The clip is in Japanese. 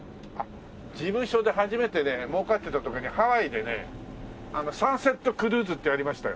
事務所で初めてね儲かってた時にハワイでねサンセットクルーズってやりましたよ。